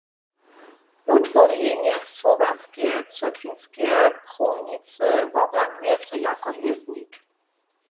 Wutworjenje słowjanskeje cyrkwinskeje prowincy wobhladuje so jako měznik.